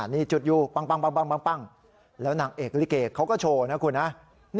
นี่จุดอยู่แล้วนางเอกลิเกเค้าก็โชว์นะครับ